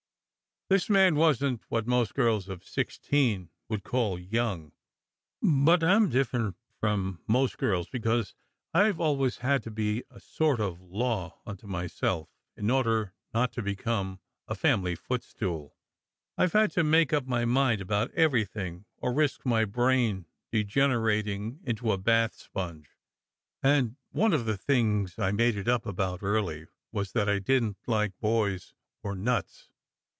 This man wasn t what most girls of sixteen would call young; but I am different from most girls because I ve always had to be a sort of law unto myself, in order not to become a family footstool. I ve had to make up my mind about everything or risk my brain degenerating into a bath sponge ; and one of the things I made it up about early was : that I didn t like boys or nuts.